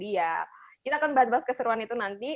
dia kita akan bahas bahas keseruan itu nanti